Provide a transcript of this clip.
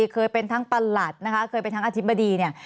เคยเป็นทั้งประหลัดนะคะเคยเป็นทั้งอธิบดีเนี่ย